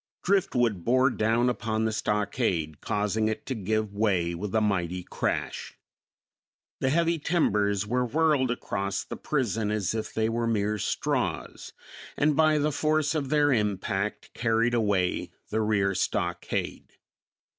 Driftwood bore down upon the stockade, causing it to give way with a mighty crash. The heavy timbers were whirled across the prison as if they were mere straws, and by the force of their impact carried away the rear stockade.